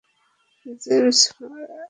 Joseph মারা গেছে।